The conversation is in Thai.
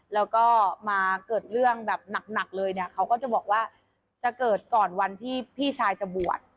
แล้วก็มาเกิดเรื่องแบบหนักเลยเนี่ยเขาก็จะบอกว่าจะเกิดก่อนวันที่พี่ชายจะบวช